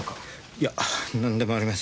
いや何でもありません。